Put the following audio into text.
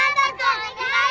お願いします。